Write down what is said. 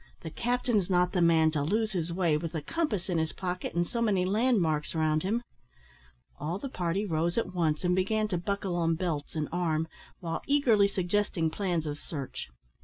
The captain's not the man to lose his way with a compass in his pocket and so many landmarks round him." All the party rose at once, and began to buckle on belts and arm, while eagerly suggesting plans of search.